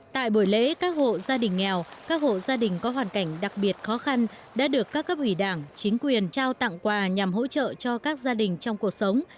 tại buổi lễ các hộ gia đình nghèo các hộ gia đình có hoàn cảnh đặc biệt khó khăn đã được các cấp ủy đảng chính quyền trao tặng quà nhằm hỗ trợ cho các gia đình trong cuộc sống